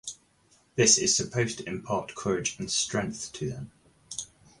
This is supposed impart courage and strength to them.